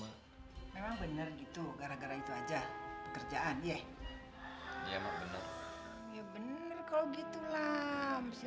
memang bener gitu gara gara itu aja pekerjaan ya ya emang bener ya bener kalau gitu lah si